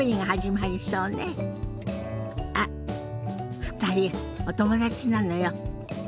あっ２人お友達なのよ。